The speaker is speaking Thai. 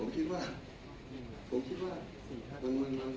ผมคิดว่า